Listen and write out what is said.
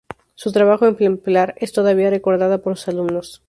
Su trabajo ejemplar es todavía recordada por sus alumnos.